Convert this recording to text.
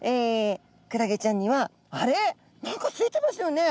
クラゲちゃんにはあれっ？何かついてましたよね？